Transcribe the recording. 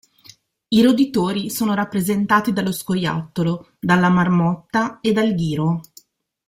I roditori sono rappresentati dallo scoiattolo, dalla marmotta e dal ghiro.